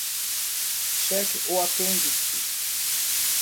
Cheque o apêndice